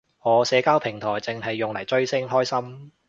我社交平台剩係用嚟追星，開心